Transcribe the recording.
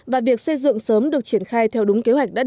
và việc xây dựng sớm được triển khai theo đúng kế hoạch đã đề ra